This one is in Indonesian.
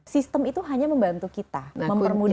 sistem itu hanya membantu kita mempermudah hidup kita